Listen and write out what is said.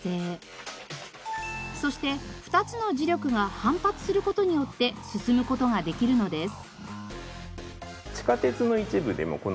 そして２つの磁力が反発する事によって進む事ができるのです。